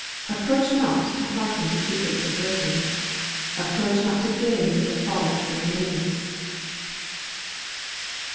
Approach not to hearken To secrets of virgins. Approach not to gaze at The frolics of maidens.